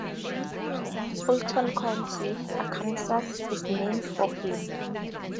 Fulton County, Arkansas is named for him.